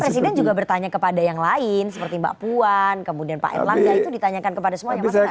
karena presiden juga bertanya kepada yang lain seperti mbak puan kemudian pak erlangga itu ditanyakan kepada semua yang masih gak banyak